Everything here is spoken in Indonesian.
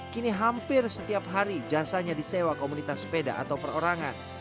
kini hampir setiap hari jasanya disewa komunitas sepeda atau perorangan